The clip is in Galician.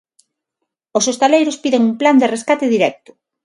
Os hostaleiros piden un plan de rescate directo.